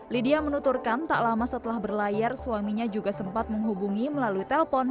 lydia menuturkan tak lama setelah berlayar suaminya juga sempat menghubungi melalui telpon